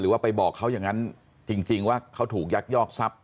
ว่าไปบอกเขาอย่างนั้นจริงว่าเขาถูกยักยอกทรัพย